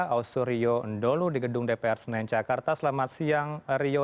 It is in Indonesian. ausurio ndolu di gedung dpr senencakarta selamat siang rio